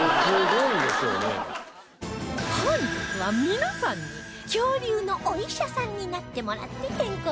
本日は皆さんに恐竜のお医者さんになってもらって健康診断